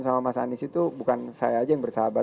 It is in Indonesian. sama mas anies itu bukan saya aja yang bersahabat